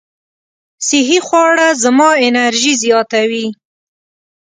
صحي خواړه زما انرژي زیاتوي.